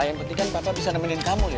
yang penting kan bapak bisa nemenin kamu ya